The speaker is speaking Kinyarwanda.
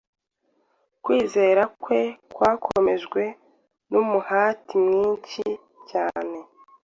Kwizera kwe, kwakomejwe n’umuhati mwinshi cyane